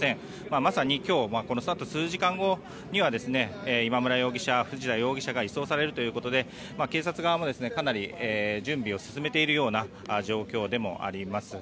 まさに今日はこのあと数時間後には今村容疑者、藤田容疑者が移送されるということで警察側もかなり準備を進めているような状況でもあります。